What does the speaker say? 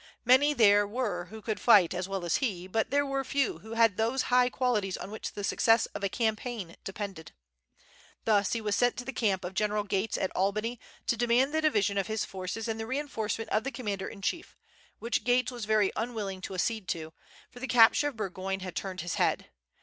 Many there were who could fight as well as he, but there were few who had those high qualities on which the success of a campaign depended. Thus he was sent to the camp of General Gates at Albany to demand the division of his forces and the reinforcement of the commander in chief, which Gates was very unwilling to accede to, for the capture of Burgoyne had turned his head.